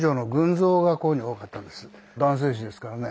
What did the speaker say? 男性誌ですからね。